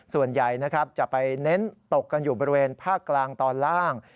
ส่วนใหญ่นะครับจะไปเน้นตกกันอยู่บริเวณภาคกลางตอนล่าง